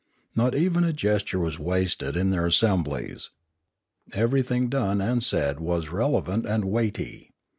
Not even a gesture was wasted in their assemblies. Everything done and said was relevant and weighty.